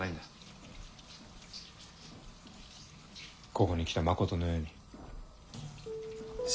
ここに来た誠のように。